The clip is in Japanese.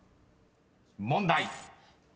［問題］